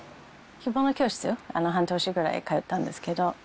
着物教室に半年ぐらい通ったんですけど。